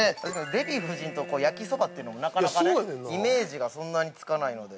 ◆デヴィ夫人と焼きそばっていうのもなかなかねイメージがそんなにつかないので。